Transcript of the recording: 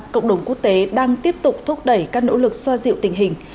cộng đồng quốc tế đang tiếp tục thúc đẩy các nỗ lực xoa dịu tình hình